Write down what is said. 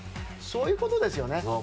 そういうことですよね。